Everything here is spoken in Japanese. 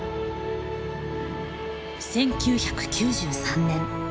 １９９３年。